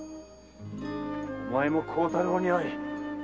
お前も孝太郎に会え〕